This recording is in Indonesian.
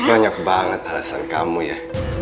banyak banget alasan kamu ya